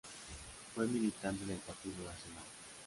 Fue militante del Partido Nacional.